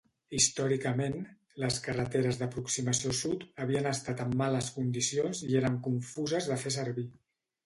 Històricament, les carreteres d'aproximació sud havien estat en males condicions i eren confuses de fer servir.